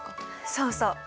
そうそう。